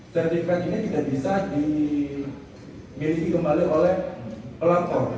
sertifikat ini tidak bisa dimiliki kembali oleh pelapor